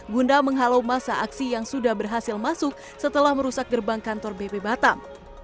guna menghalau masa aksi yang sudah berhasil masuk setelah merusak gerbang kantor bp batam